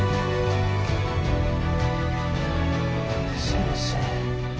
先生？